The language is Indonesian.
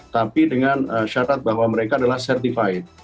tapi dengan syarat bahwa mereka adalah certified